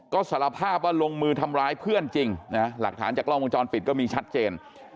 ก็สารภาพว่าลงมือทำร้ายเพื่อนจริงนะหลักฐานจากกล้องวงจรปิดก็มีชัดเจน